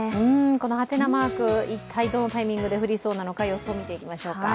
ハテナマーク、一体どのタイミングで降りそうなのか、予想を見ていきましょうか。